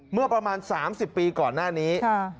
เมื่อประมาณ๓๐ปีก่อนหน้านี้